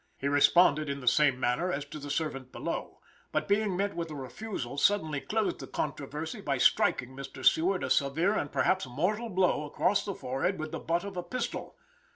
He responded in the same manner as to the servant below, but being met with a refusal, suddenly closed the controversy by striking Mr. Seward a severe and perhaps mortal blow across the forehead with the butt of a pistol.